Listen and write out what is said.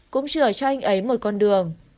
cũng chừa cho anh ấy một con đường